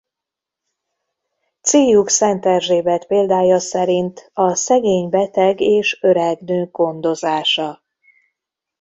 Céljuk Szent Erzsébet példája szerint a szegény beteg és öreg nők gondozása.